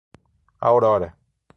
Aurora